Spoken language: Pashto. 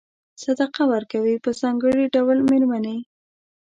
صدقه ورکوي په ځانګړي ډول مېرمنې.